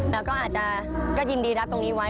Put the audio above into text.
แล้วก็อาจจะก็ยินดีรับตรงนี้ไว้